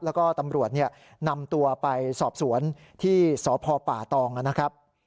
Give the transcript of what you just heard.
แล้วก็ตำรวจนำตัวไปสอบสวนที่สพป่าตองนะครับ